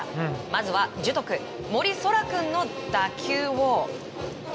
まずは樹徳、森颯良君の打球を。